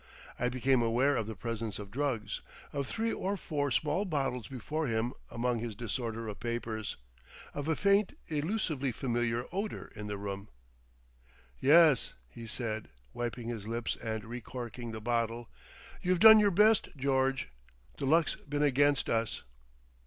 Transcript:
I became aware of the presence of drugs, of three or four small bottles before him among his disorder of papers, of a faint elusively familiar odour in the room. "Yes," he said, wiping his lips and recorking the bottle. "You've done your best, George. The luck's been against us."